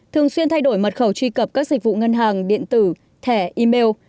thường xuyên thay đổi mật khẩu truy cập các dịch vụ ngân hàng điện tử thẻ email